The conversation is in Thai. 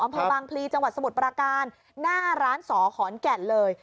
อัมพบังพลีจังหวัดสมุดปราการหน้าร้านศขอณแก่ด